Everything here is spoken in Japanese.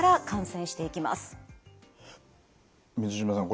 水島さん